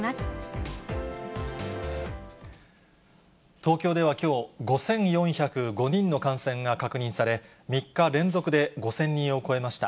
東京ではきょう、５４０５人の感染が確認され、３日連続で５０００人を超えました。